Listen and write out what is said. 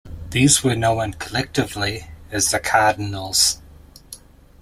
These were known collectively as the cardinals.